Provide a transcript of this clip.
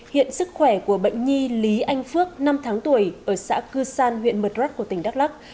hiện sức khỏe của bệnh nhi lý anh phước năm tháng tuổi ở xã cư san huyện mật rắc của tỉnh đắk lắc